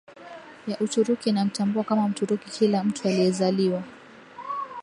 ya Uturuki inamtambua kama Mturuki kila mtu aliyezaliwa